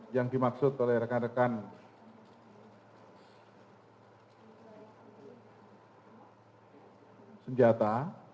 yang dimaksud oleh rekan rekan senjata